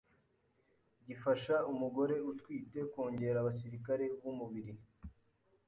gifasha umugore utwite kongera abasirikare b’umubiri